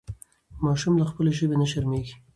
ماشوم له خپلې ژبې نه شرمېږي.